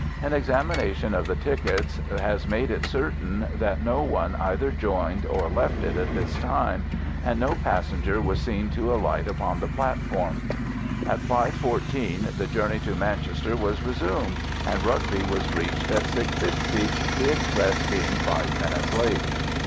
An examination of the tickets has made it certain that no one either joined or left it at this time, and no passenger was seen to alight upon the platform. At 5.14 the journey to Manchester was resumed, and Rugby was reached at 6.50, the express being five minutes late.